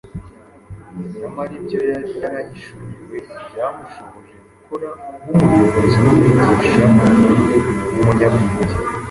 Nyamara ibyo yari yarahishuriwe byamushoboje gukora nk’umuyobozi n’umwigisha w’umunyabwenge;